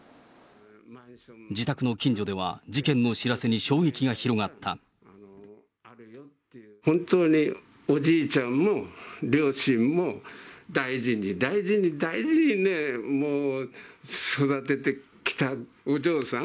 自宅の近所では、本当に、おじいちゃんも両親も、大事に大事に大事にね、もう、育ててきたお嬢さん。